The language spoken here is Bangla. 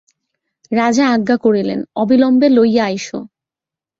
রাজা আজ্ঞা করিলেন অবিলম্বে লইয়া আইস।